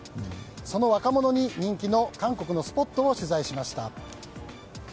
その若者に人気の韓国のスポットを取材しました。